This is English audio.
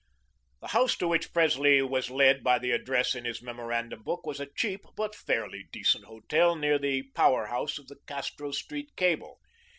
The house to which Presley was led by the address in his memorandum book was a cheap but fairly decent hotel near the power house of the Castro Street cable.